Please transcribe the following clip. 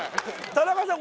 ・田中さん